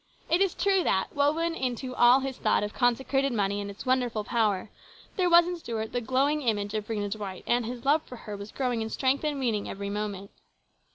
It is true that, woven into all his thought of consecrated money and its wonderful power, there was in Stuart the glowing image of Rhena Dwight, and his love for her was growing in strength and meaning every moment.